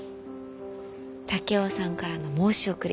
竹雄さんからの申し送り